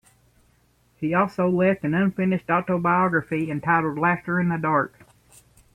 He also left an unfinished autobiography entitled Laughter in the Dark.